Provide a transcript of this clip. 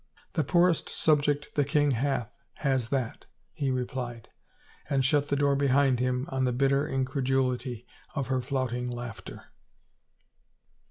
"" The poorest subject the king hath has that," he re plied, and shut the door behind him on the bitter in credulity of her flouting laughter.